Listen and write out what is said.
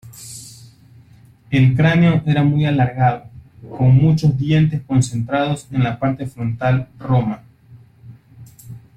El cráneo era muy alargado, con muchos dientes concentrados en la parte frontal roma.